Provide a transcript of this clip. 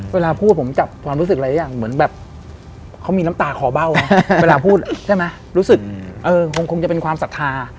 เวลาพูดผมจับความรู้สึกอะไรอย่างเหมือนแบบเขามีน้ำตาคอเบ้าไงเวลาพูดใช่ไหมรู้สึกคงจะเป็นความศรัทธา